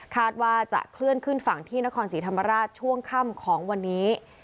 ว่าจะเคลื่อนขึ้นฝั่งที่นครศรีธรรมราชช่วงค่ำของวันนี้